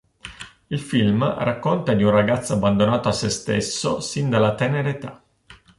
Il film racconta di un ragazzo abbandonato a se stesso sin dalla tenera età.